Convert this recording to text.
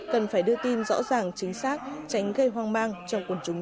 cần phải đưa tin rõ ràng chính xác tránh gây hoang mang cho quần chúng nhân dân